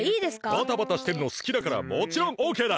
バタバタしてるのすきだからもちろんオッケーだ！